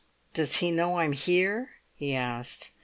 "Does he know I'm here?" he asked.